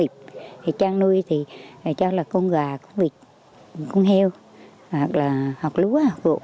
trang nuôi con gà con vịt con heo hoặc lúa